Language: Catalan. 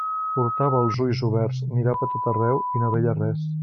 Portava els ulls oberts, mirava a tot arreu, i no veia res.